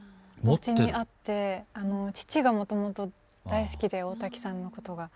うちにあって父がもともと大好きで大滝さんのことが。